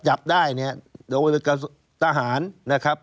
จับได้เนี่ยโดยทหารนะครับ